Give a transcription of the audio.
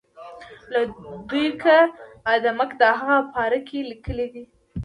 لودویک آدمک د هغه پاره کې لیکي.